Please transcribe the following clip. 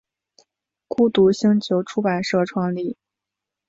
孤独星球出版社创立。